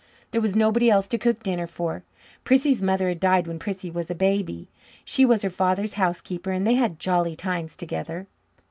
There was nobody else to cook dinner for. Prissy's mother had died when Prissy was a baby. She was her father's housekeeper, and they had jolly times together.